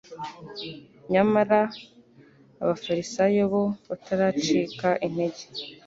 Nyamara abafarisayo bo bataracika intege,